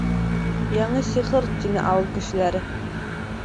— Яңы сихыр! — тине ауыл кешеләре.